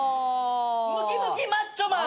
ムキムキマッチョマン。